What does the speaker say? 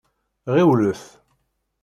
Ɣiwlet!